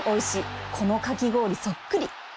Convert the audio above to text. このかき氷そっくり